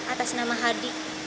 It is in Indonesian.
atas nama hadi